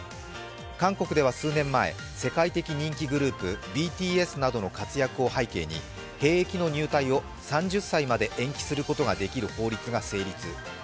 韓国では数年前世界的人気グループＢＴＳなどの活躍を背景に兵役の入隊を３０歳まで延期することができる法律が成立。